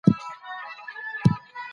آیا منتسکیو هم ورته نظر درلود؟